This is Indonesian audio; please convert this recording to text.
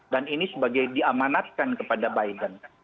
dan ini sebagai diamanatkan kepada biden